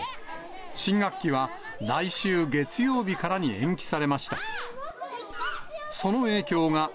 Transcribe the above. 新学期は来週月曜日からに延期されました。